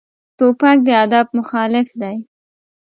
توپک د ادب مخالف دی.